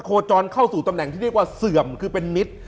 โคจรเข้าสู่ตำแหน่งที่เรียกว่าเสื่อมคือเป็นมิตร